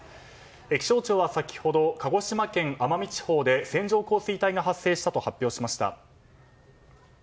気象庁は先ほど鹿児島県奄美地方で線状降水帯が発生したと発表しました。